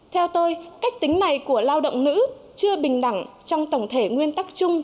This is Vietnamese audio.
theo tôi cách tính này của lao động nữ chưa bình đẳng trong tổng thể nguyên tắc chung